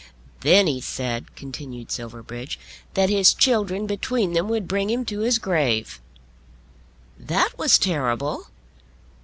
"Then he said," continued Silverbridge, "that his children between them would bring him to his grave." "That was terrible."